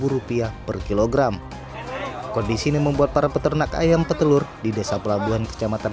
rupiah per kilogram kondisi ini membuat para peternak ayam petelur di desa pelabuhan kecamatan